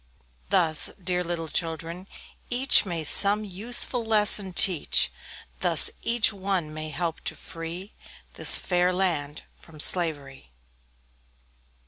Thus, dear little children, each May some useful lesson teach; Thus each one may help to free This fair land from slavery.